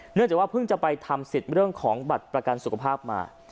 เนื่องจากว่าเพิ่งจะไปทำสิทธิ์เรื่องของบัตรประกันสุขภาพมา